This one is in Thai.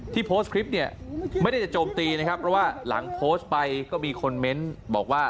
โพสต์คลิปเนี่ยไม่ได้จะโจมตีนะครับเพราะว่าหลังโพสต์ไปก็มีคนเมนต์บอกว่า